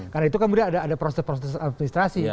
karena itu kan sudah ada proses proses administrasi